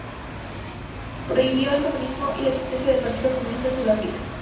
Prohibió el comunismo y la existencia del partido comunista en Sudáfrica.